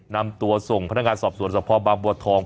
นำตัวส่งพนักงานสอบสวนสภบางบัวทอง